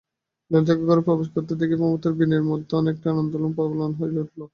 ললিতাকে ঘরে প্রবেশ করিতে দেখিবামাত্র বিনয়ের মনের মধ্যে একটা আন্দোলন প্রবল হইয়া উঠিল।